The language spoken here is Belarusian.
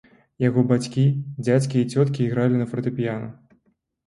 Яго бацькі, дзядзькі і цёткі ігралі на фартэпіяна.